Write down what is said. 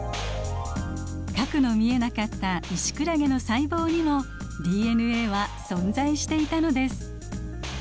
核の見えなかったイシクラゲの細胞にもＤＮＡは存在していたのです。